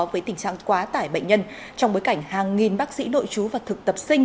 với tình trạng quá tải bệnh nhân trong bối cảnh hàng nghìn bác sĩ nội chú và thực tập sinh